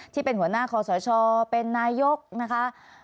ที่เป็นหัวหน้าคอสชเป็นนายกนะคะ